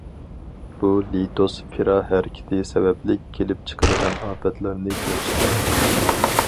بۇ لىتوسفېرا ھەرىكىتى سەۋەبلىك كېلىپ چىقىدىغان ئاپەتلەرنى كۆرسىتىدۇ.